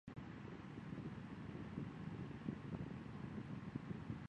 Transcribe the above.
包兆龙其后亦于中国大陆各地参与多项公益项目。